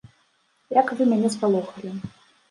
Як вы мяне спалохалі.